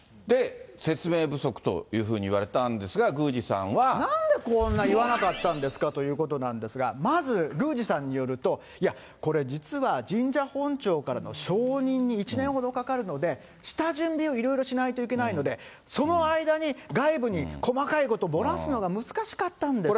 説明不足というふうに言われたんですが、宮司さんは。なんでこんな言わなかったんですかということなんですが、まず宮司さんによると、いや、これ、実は神社本庁からの承認に１年ほどかかるので、下準備をいろいろしないといけないので、その間に外部に細かいこと漏らすのが難しかったんですよと。